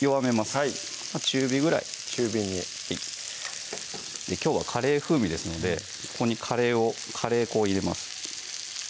はい中火ぐらい中火にきょうはカレー風味ですのでここにカレー粉を入れます